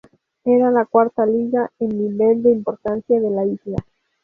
Era la cuarta liga en nivel de importancia de la isla.